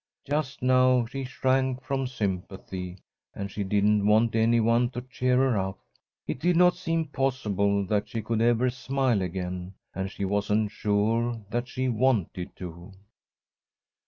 Just now she shrank from sympathy, and she didn't want any one to cheer her up. It did not seem possible that she could ever smile again, and she wasn't sure that she wanted to.